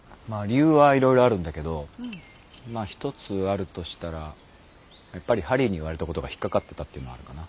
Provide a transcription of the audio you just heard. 理由はいろいろあるんだけどまあ一つあるとしたらやっぱりハリーに言われたことが引っかかってたっていうのはあるかな。